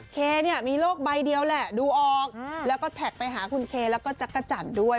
เคเนี่ยมีโลกใบเดียวแหละดูออกแล้วก็แท็กไปหาคุณเคแล้วก็จักรจันทร์ด้วย